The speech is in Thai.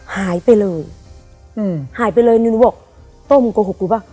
หายไปเลยอืมหายไปเลยนิวหนูบอกโต้มึงโกหกกูป่ะ